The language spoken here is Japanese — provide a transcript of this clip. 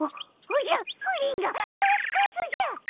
おおじゃプリンがカスカスじゃ。